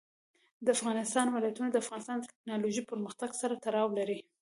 د افغانستان ولايتونه د افغانستان د تکنالوژۍ پرمختګ سره تړاو لري.